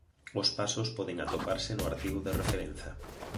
Os pasos poden atoparse no artigo de referencia.